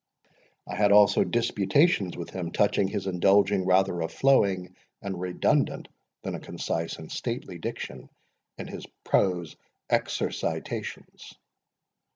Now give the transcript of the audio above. I had also disputations with him touching his indulging rather a flowing and redundant than a concise and stately diction in his prose exercitations.